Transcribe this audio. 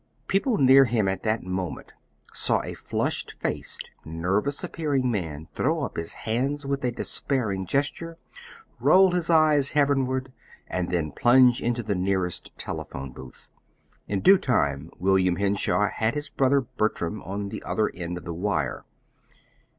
People near him at that moment saw a flushed faced, nervous appearing man throw up his hands with a despairing gesture, roll his eyes heavenward, and then plunge into the nearest telephone booth. In due time William Henshaw had his brother Bertram at the other end of the wire.